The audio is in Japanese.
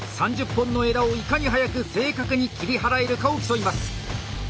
３０本の枝をいかに早く正確に切り払えるかを競います。